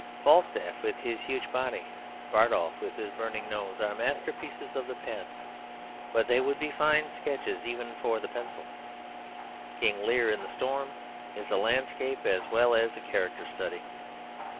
Falstaff with his huge body, Bardolph with his burning nose, are masterpieces of the pen; but they would be fine sketches even for the pencil. King Lear, in the storm, is a landscape as well as a character study.